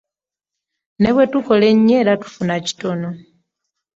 Ne bwe tukola ennyo era tufuna kitono.